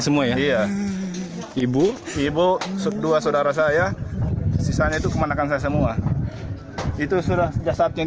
semua ya ibu ibu kedua saudara saya sisanya itu kemana kan saya semua itu sudah jasad yang